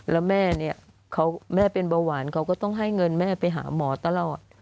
แล้วแม่เนี่ยแม่เป็นเบาหวานเขาก็ต้องให้เงินแม่ไปหาหมอตลอด